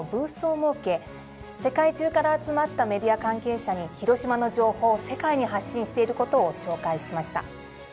世界中から集まったメディア関係者に広島の情報を世界に発信していることを紹介しました。